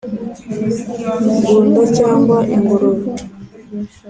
Ngunda cyangwa ingurube